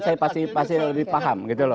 saya pasti lebih paham